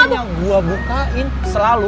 akhirnya akhirnya gue bukain selalu